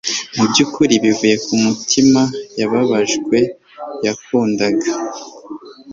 mubyukuri bivuye kumutima yababajwe, yakundaga